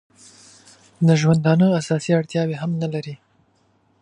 د ژوندانه اساسي اړتیاوې هم نه لري.